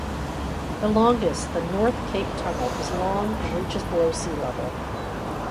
The longest, the North Cape Tunnel, is long and reaches below sea level.